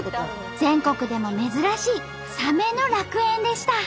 全国でも珍しいサメの楽園でした。